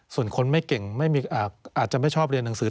ส่วนคนไม่เก่งอาจจะไม่ชอบเรียนหนังสือ